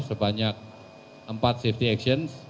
sebanyak empat safety action